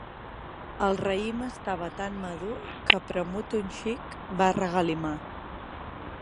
El raïm estava tan madur que, premut un xic, va regalimar.